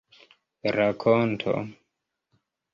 rakonto